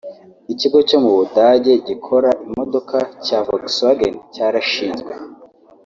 Ikigo cyo mu budage gikora imodoka cya Volkswagen cyarashinzwe